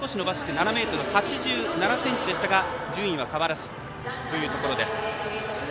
７ｍ８７ｃｍでしたが順位は変わらずです。